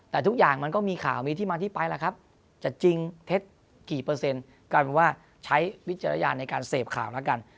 แต่ทุกอย่างมันก็มีข่าวมีที่มาที่ไปแล้วครับจะจริงเท็จกี่เปอร์เซ็นต์กลายเป็นว่าใช้วิจารณญาณในการเสพข่าวแล้วกัน